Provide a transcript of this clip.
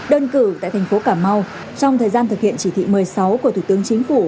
đơn cử tại thành phố cà mau trong thời gian thực hiện chỉ thị một mươi sáu của thủ tướng chính phủ